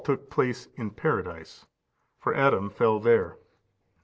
took place in paradise; for Adam fell there.